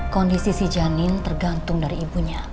kondisi si janin tergantung dari ibunya